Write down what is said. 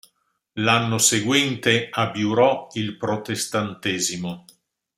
L'anno seguente abiurò il protestantesimo.